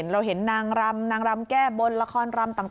เราเห็นนางรำนางรำแก้บนละครรำต่าง